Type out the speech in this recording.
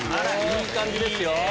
いい感じですよ。